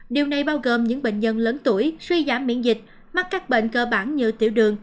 điều này bao gồm những bệnh nhân lớn tuổi suy giảm miễn dịch mắc các bệnh cơ bản như tiểu đường